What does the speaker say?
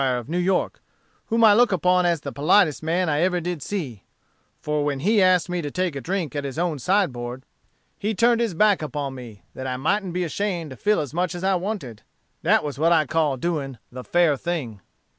of New York, whom I look upon as the politest man I ever did see; for when he asked me to take a drink at his own sideboard, he turned his back upon me, that I mightn't be ashamed to fill as much as I wanted. That was what I call doing the fair thing."